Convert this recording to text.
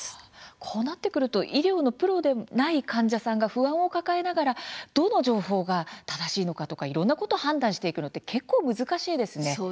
こうなってくると医療のプロでない患者さんが不安を抱えながらどの情報が正しいのかいろんなことを判断していくのは結構難しいですね。